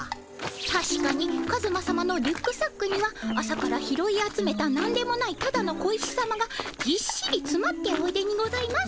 たしかにカズマさまのリュックサックには朝から拾い集めたなんでもないただの小石さまがぎっしりつまっておいでにございます。